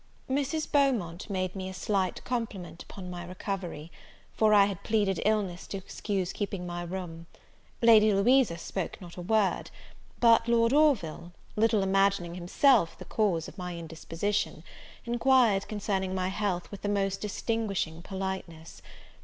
Mrs. Beaumont made me a slight compliment upon my recovery, for I had pleaded illness to excuse keeping my room: Lady Louisa spoke not a word; but Lord Orville, little imagining himself the cause of my indisposition, enquired concerning my health with the most distinguishing politeness.